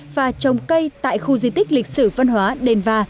và trồng cây tại khu di tích lịch sử văn hóa đền va